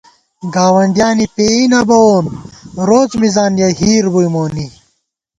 گاوَنڈیانے پېئ نہ بَوون روڅ مِزان یَہ ہِیر بُئی مونی